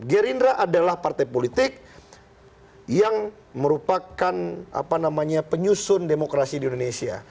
gerindra adalah partai politik yang merupakan penyusun demokrasi di indonesia